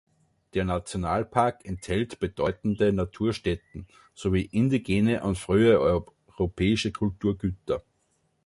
Der Nationalpark enthält bedeutende Naturstätten sowie indigene und frühe europäische Kulturgüter.